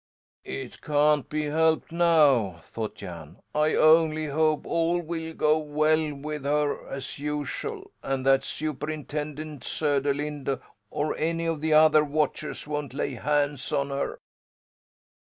"It can't be helped now," thought Jan. "I only hope all will go well with her, as usual, and that Superintendent Söderlind or any of the other watchers won't lay hands on her."